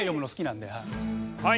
はい。